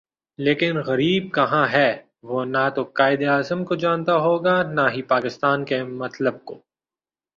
لیکن غریب کہاں ہے وہ نہ توقائد اعظم کو جانتا ہوگا نا ہی پاکستان کے مطلب کو